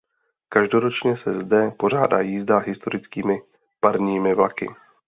Každoročně se zde pořádá jízda historickými parními vlaky.